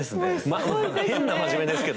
まあ変な真面目ですけどね。